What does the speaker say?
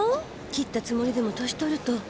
切ったつもりでも歳取ると。